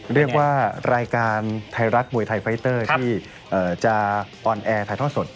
เรียกว่ารายการไทยรัฐมวยไทยไฟเตอร์ที่จะออนแอร์ถ่ายทอดสด